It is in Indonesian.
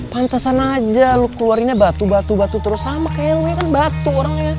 pantesan aja lu keluarinnya batu batu terus sama kayak lo ya kan batu orangnya